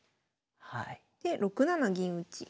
で６七銀打。